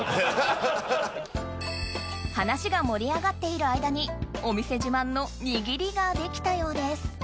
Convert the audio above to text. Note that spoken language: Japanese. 話が盛り上がっている間にお店自慢の握りが出来たようです